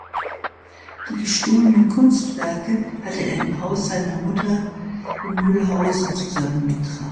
Die gestohlenen Kunstwerke hatte er im Haus seiner Mutter in Mülhausen zusammengetragen.